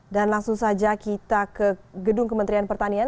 dan langsung saja kita ke gedung kementerian pertanian